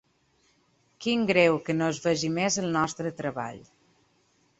“Quin greu que no es vegi més el nostre treball”.